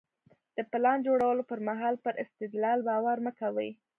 د پلان جوړولو پر مهال پر استدلال باور مه کوئ.